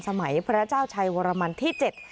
สมัยพระเจ้าชายวรมันที่๗